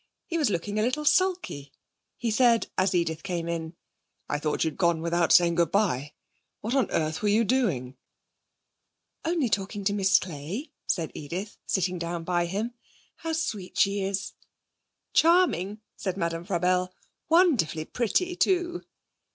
He was looking a little sulky. He said as Edith came in: 'I thought you'd gone without saying good bye. What on earth were you doing?' 'Only talking to Miss Clay,' said Edith, sitting down by him. 'How sweet she is.' 'Charming,' said Madame Frabelle. 'Wonderfully pretty, too.'